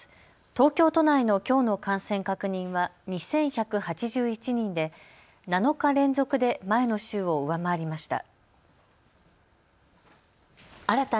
東京都内のきょうの感染確認は２１８１人で７日連続で前の週を上回りました。